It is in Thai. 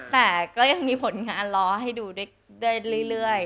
แต่ก็ยังมีผลงานล้อให้ดูได้เรื่อย